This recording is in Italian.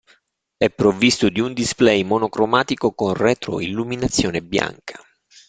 È provvisto di un display monocromatico con retroilluminazione bianca.